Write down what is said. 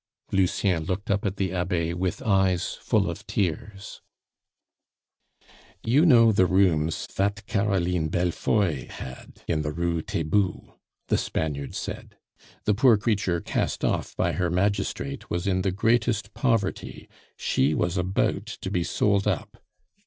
Lucien looked up at the Abbe with eyes full of tears. "You know the rooms fat Caroline Bellefeuille had, in the Rue Taitbout," the Spaniard said. "The poor creature, cast off by her magistrate, was in the greatest poverty; she was about to be sold up.